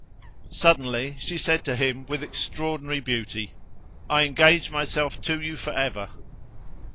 Suddenly she said to him with extraordinary beauty: "I engage myself to you for ever."